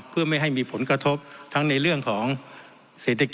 เพื่อไม่ให้มีผลกระทบทั้งในเรื่องของเศรษฐกิจ